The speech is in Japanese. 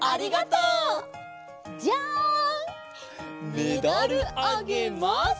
メダルあげます！